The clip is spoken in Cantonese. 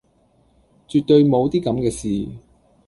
絕對無啲咁既事